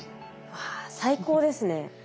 わ最高ですね。